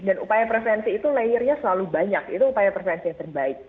dan upaya prevensi itu layernya selalu banyak itu upaya prevensi yang terbaik